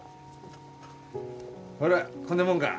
ほらこんなもんが？